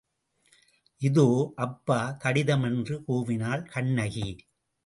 இதோ, அப்பா கடிதம் என்று கூவினாள் கண்ணகி.